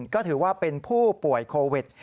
ก็ถือว่าเป็นผู้ป่วยโควิด